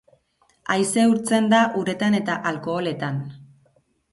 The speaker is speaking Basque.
Aise urtzen da uretan eta alkoholetan.